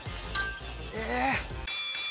えっ？